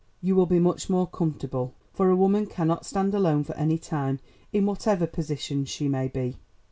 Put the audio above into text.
You will be much more comfortable, for a woman cannot stand alone for any time, in whatever position she may be."